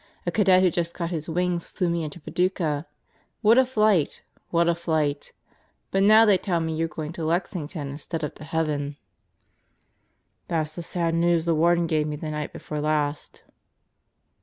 A cadet, who just got his wings, flew me into Paducah. What a flight! What a flight! But now they tell me you're going to Lexington instead of to heaven." "That's the sad news the Warden gave me the night before last."